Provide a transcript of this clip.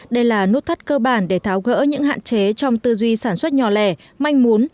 đây là nút thắt cơ bản để tháo gỡ những hạn chế trong tư duy sản xuất nhỏ lẻ manh mún